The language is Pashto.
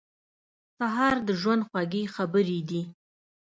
سهار د ژوند خوږې خبرې دي.